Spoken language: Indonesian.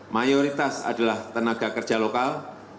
mayoritas adalah tenaga kerja lokal